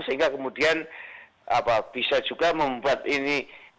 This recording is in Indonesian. sehingga kemudian bisa juga membuat ini